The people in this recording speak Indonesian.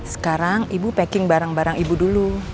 sekarang ibu packing barang barang ibu dulu